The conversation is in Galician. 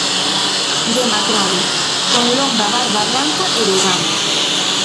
Demacrado, con longa barba branca e berrando.